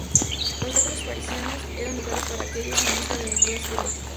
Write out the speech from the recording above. Los teatros parisinos eran lugares para aquellos en busca de aventuras eróticas.